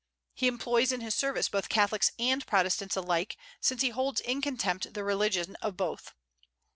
He employs in his service both Catholics and Protestants alike, since he holds in contempt the religion of both.